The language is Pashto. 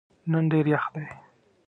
نن ډېر یخ دی.